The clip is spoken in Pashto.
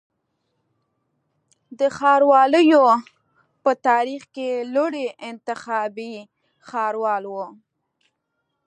د ښاروالیو په تاریخ کي لوړی انتخابي ښاروال و